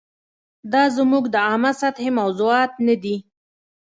دا زموږ د عامه سطحې موضوعات نه دي.